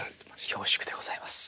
恐縮でございます。